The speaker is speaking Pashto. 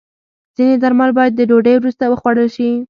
ځینې درمل باید د ډوډۍ وروسته وخوړل شي.